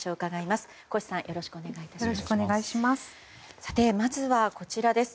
まずは、こちらです。